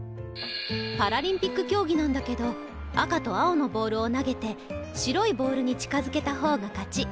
パラリンピック競技なんだけど赤と青のボールを投げて白いボールに近づけた方が勝ち。